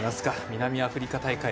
南アフリカ大会。